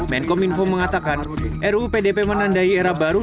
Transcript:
menkom info mengatakan ru pdp menandai era baru